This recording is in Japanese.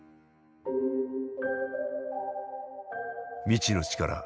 未知の力